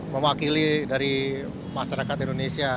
memwakili dari masyarakat indonesia